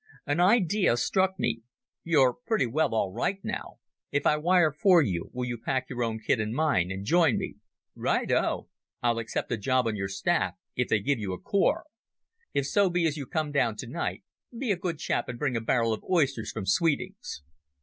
An idea struck me. "You're pretty well all right now. If I wire for you, will you pack your own kit and mine and join me?" "Right o! I'll accept a job on your staff if they give you a corps. If so be as you come down tonight, be a good chap and bring a barrel of oysters from Sweeting's."